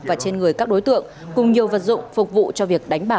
và trên người các đối tượng cùng nhiều vật dụng phục vụ cho việc đánh bạc